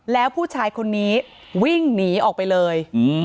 แล้วผู้ชายคนนี้วิ่งหนีออกไปเลย